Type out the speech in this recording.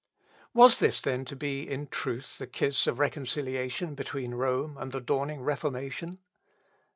(L. Ep. i, 231.) Was this then to be in truth the kiss of reconciliation between Rome and the dawning Reformation?